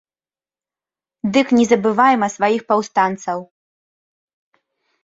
Дык не забывайма сваіх паўстанцаў!